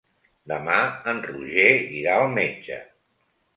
Demà en Roger irà al metge.